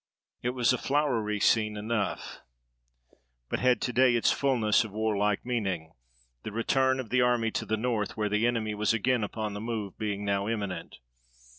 It was a flowery scene enough, but had to day its fulness of war like meaning; the return of the army to the North, where the enemy was again upon the move, being now imminent.